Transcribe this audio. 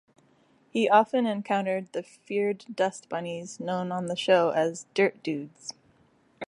He often encountered the feared dust bunnies known on the show as Dirt Dudes.